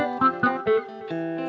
aduh aku bisa